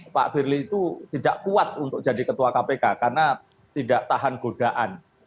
pak firly itu tidak kuat untuk jadi ketua kpk karena tidak tahan godaan